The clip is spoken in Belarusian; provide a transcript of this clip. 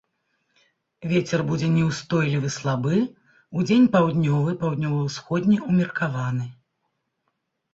Вецер будзе няўстойлівы слабы, удзень паўднёвы, паўднёва-ўсходні ўмеркаваны.